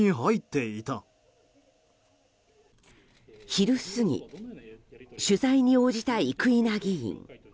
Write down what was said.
昼過ぎ、取材に応じた生稲議員。